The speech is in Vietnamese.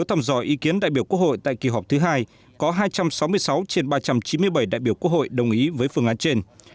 trong những đại biểu quốc hội tại kỳ họp thứ hai có hai trăm sáu mươi sáu trên ba trăm chín mươi bảy đại biểu quốc hội đồng ý với phương án trên